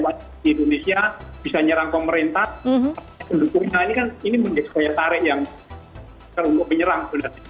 warga indonesia bisa nyerang pemerintah pendukungnya ini kan ini menjadi daya tarik yang menyerang